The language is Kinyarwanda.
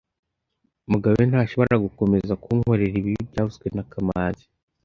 Mugabe ntashobora gukomeza kunkorera ibi byavuzwe na kamanzi